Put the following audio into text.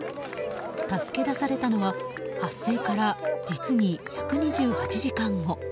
助け出されたのは発生から実に１２８時間後。